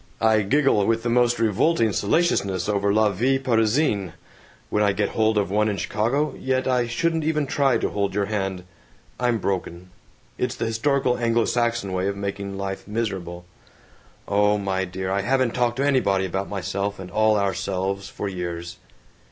I giggle with the most revolting salaciousness over La Vie Parisienne, when I get hold of one in Chicago, yet I shouldn't even try to hold your hand. I'm broken. It's the historical Anglo Saxon way of making life miserable. ... Oh, my dear, I haven't talked to anybody about myself and all our selves for years."